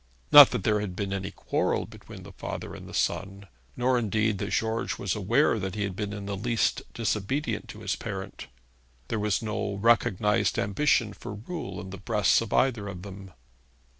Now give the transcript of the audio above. Not that there had been any quarrel between the father and the son; nor indeed that George was aware that he had been in the least disobedient to his parent. There was no recognised ambition for rule in the breasts of either of them.